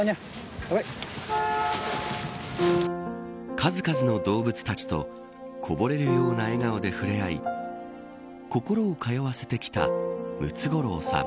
数々の動物たちとこぼれるような笑顔で触れ合い心を通わせてきたムツゴロウさん。